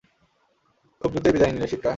খুব দ্রুতই বিদায় নিলে, সিটকা।